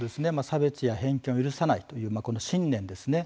差別や偏見は許さないという信念ですね。